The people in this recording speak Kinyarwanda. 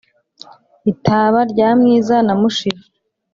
itaba rya mwiza na mushira